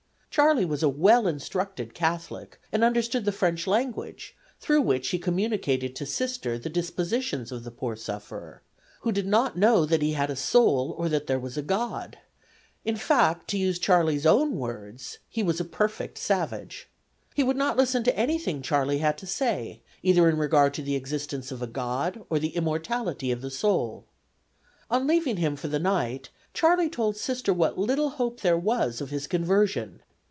Charley was a well instructed Catholic, and understood the French language, through which he communicated to Sister the dispositions of the poor sufferer, who did not know that he had a soul, or that there was a God. In fact, to use Charley's own words, 'he was a perfect savage.' He would not listen to anything Charley had to say, either in regard to the existence of a God or the immortality of the soul. On leaving him for the night Charley told Sister what little hope there was of his conversion.